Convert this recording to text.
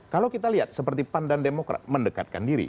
kalau kita lihat seperti pan dan demokrat mendekatkan diri